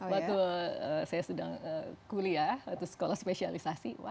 waktu saya sedang kuliah waktu sekolah spesialisasi